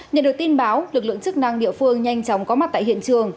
nhận được tin báo lực lượng chức năng địa phương nhanh chóng có mặt tại hiện trường